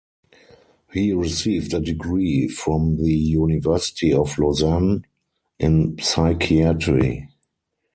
He received a degree from the University of Lausanne in psychiatry.